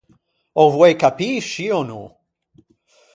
Ô voei capî scì ò no?